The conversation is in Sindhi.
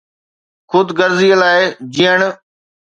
خود غرضيءَ لاءِ جيئڻ.